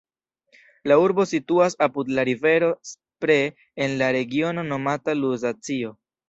La urbo situas apud la rivero Spree en la regiono nomata Luzacio.